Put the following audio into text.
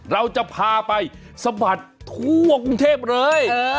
เราจะพาไปสะบัดทั่วกรุงเทพเลย